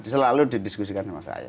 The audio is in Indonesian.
selalu didiskusikan sama saya